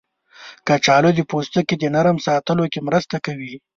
کچالو د پوستکي د نرم ساتلو کې مرسته کوي.